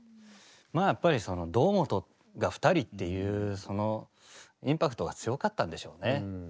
まあやっぱりその堂本が２人っていうそのインパクトが強かったんでしょうね。